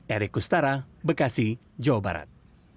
erik kustara bekasi jawa barat